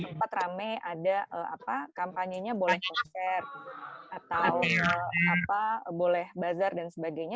sempat rame ada kampanyenya boleh konser atau boleh bazar dan sebagainya